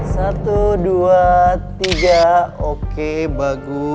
satu dua tiga oke bagus